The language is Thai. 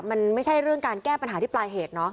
มันไม่ใช่เรื่องการแก้ปัญหาที่ปลายเหตุเนอะ